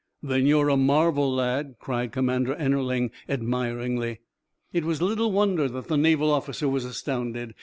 "Then you're a marvel, lad," cried Commander Ennerling, admiringly. It was little wonder that the Naval officer was astounded.